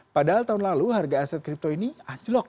padahal tahun lalu harga aset kripto ini anjlok